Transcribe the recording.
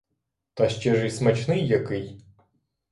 Та ще ж і смачний який!